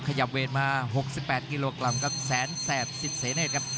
ขยับเวทมา๖๘กิโลกรัมและแสนแสบ๑๐เศษเนธครับ